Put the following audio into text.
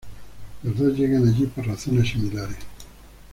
Los dos llegan allí por razones similares.